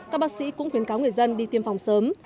các bác sĩ cũng khuyến cáo người dân đi tiêm phòng sớm